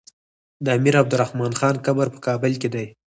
د امير عبدالرحمن خان قبر په کابل کی دی